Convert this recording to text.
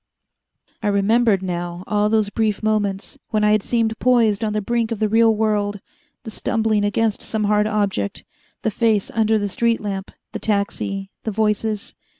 I remembered now all those brief moments, when I had seemed poised on the brink of the real world the stumbling against some hard object, the face under the street lamp, the taxi, the voices.